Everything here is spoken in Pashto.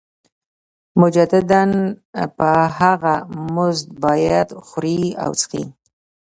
مجدداً په هغه مزد باندې خوري او څښي